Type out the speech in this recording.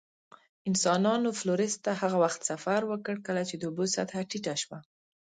انسانانو فلورس ته هغه وخت سفر وکړ، کله چې د اوبو سطحه ټیټه شوه.